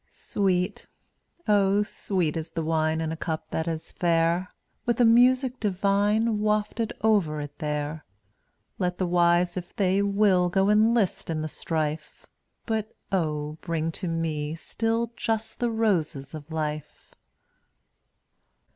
178 Sweet, oh, sweet is the wine In a cup that is fair, With a music divine Wafted over it there. Let the wise if they will Go enlist in the strife, But, oh, bring to me still Just the roses of life!